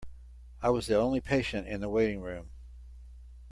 I was the only patient in the waiting room.